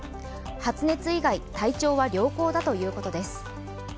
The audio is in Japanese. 発熱以外体調は良好だということです。